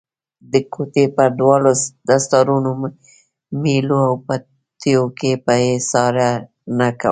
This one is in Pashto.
د کوټې په دروازه، دستارونو، مېلو او پټیو کې به یې څارنه کوله.